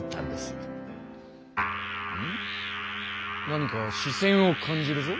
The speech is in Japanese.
何かし線を感じるぞ？